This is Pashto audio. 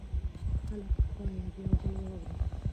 خلک باید یو بل واوري.